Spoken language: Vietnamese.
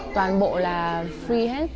toàn bộ là free hết